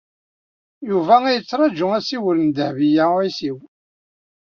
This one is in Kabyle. Yuba a yettraǧu asiwel n Dehbiya u Ɛisiw.